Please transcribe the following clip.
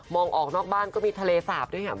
มองออกนอกบ้านก็มีทะเลสาปด้วยนะครับ